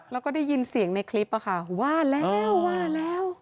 แล้วก็ได้ยินเสียงในคลิปอะค่ะว่าแล้วว่าแล้ว